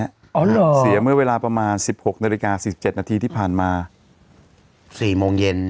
อ๋อเหรอเสียเมื่อเวลาประมาณสิบหกนาฬิกาสิบเจ็ดนาทีที่ผ่านมาสี่โมงเย็น